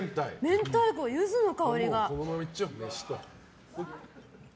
明太子、ユズの香りが。